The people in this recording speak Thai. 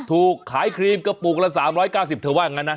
ถูกขายครีมกระปุกละ๓๙๐เธอว่าอย่างนั้นนะ